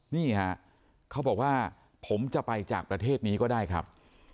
นี่ฮะเขาบอกว่าผมจะไปจากประเทศนี้ก็ได้ครับ